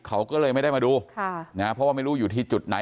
เขาก็เลยไม่ได้มาดูเพราะว่าไม่รู้อยู่ที่จุดไหน